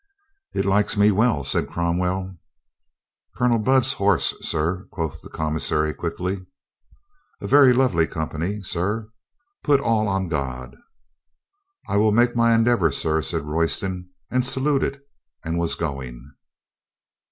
"It likes me well," said Cromwell. "Colonel Budd's horse, sir?" quoth the commis sary quickly. 240 COLONEL GREATHEART "A very lovely company. Sir, put all on God." "I will make my endeavor, sir," said Royston and saluted, and was going.